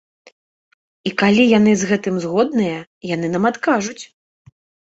І калі яны з гэтым згодныя, яны нам адкажуць.